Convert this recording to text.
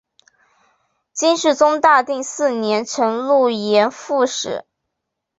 金世宗大定四年辰渌盐副使。